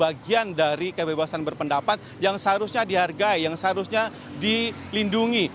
bagian dari kebebasan berpendapat yang seharusnya dihargai yang seharusnya dilindungi